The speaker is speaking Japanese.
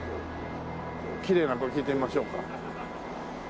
きれいな子に聞いてみましょうか。